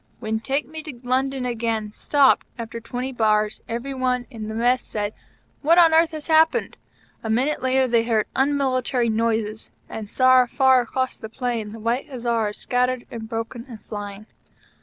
When "Take me to London again" stopped, after twenty bars, every one in the Mess said: "What on earth has happened?" A minute later, they heard unmilitary noises, and saw, far across the plain, the White Hussars scattered, and broken, and flying.